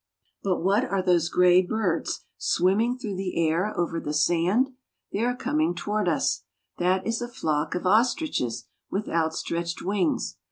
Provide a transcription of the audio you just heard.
But what are those gray birds swimming through the air over the sand? They are coming toward us. That is a flock of ostriches with outstretched wings.